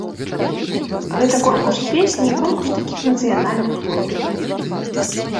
Гэта конкурс песні і конкурс такіх нацыянальных лобі.